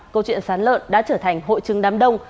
câu chuyện sán lợn đã trở thành hội chứng đám đông